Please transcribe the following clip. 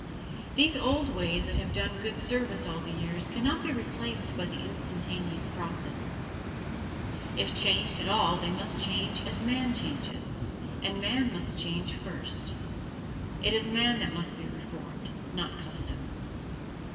These old ways that have done good service all the years can not be replaced by the instantaneous process. If changed at all they must change as man changes, and man must change first. It is man that must be reformed, not custom.